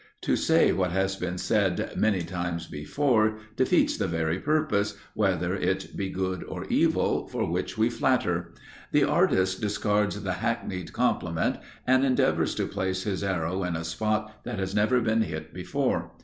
To say what has been said many times before defeats the very purpose, whether it be good or evil, for which we flatter. The artist discards the hackneyed compliment, and endeavours to place his arrow in a spot that has never been hit before.